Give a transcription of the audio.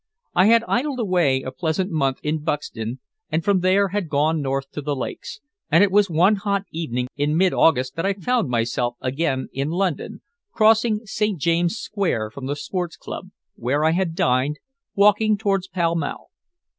I had idled away a pleasant month up in Buxton, and from there had gone north to the Lakes, and it was one hot evening in mid August that I found myself again in London, crossing St. James's Square from the Sports Club, where I had dined, walking towards Pall Mall.